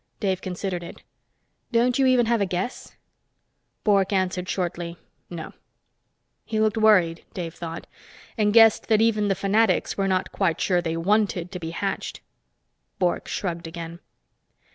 Dave considered it. "Don't you even have a guess?" Bork answered shortly, "No." He looked worried, Dave thought, and guessed that even the fanatics were not quite sure they wanted to be hatched. Bork shrugged again.